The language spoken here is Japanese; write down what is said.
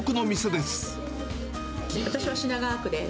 私は品川区です。